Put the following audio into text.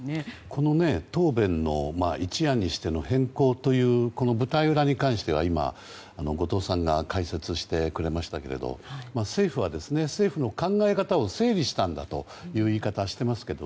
この答弁の一夜にしての変更というこの舞台裏に関しては後藤さんが解説してくれましたけど政府は政府の考え方を整理したんだという言い方をしていますが。